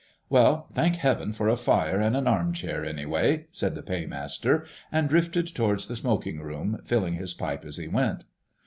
"Well, thank Heaven for a fire and an arm chair, anyway," said the Paymaster, and drifted towards the smoking room, filling his pipe as he went.